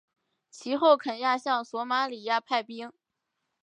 其后肯亚向索马利亚派兵。